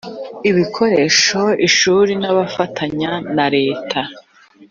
ibikoresho ishuri ry abafatanya na leta